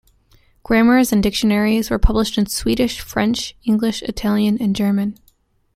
Grammars and dictionaries were published in Swedish, French, English, Italian, and German.